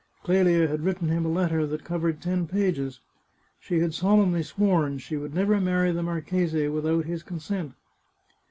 Clelia had written him a letter that covered ten pages. She had solemnly sworn she would never marry the marchese without his consent.